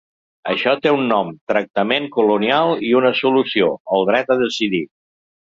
Això té un nom, tractament colonial, i una solució: el dret a decidir.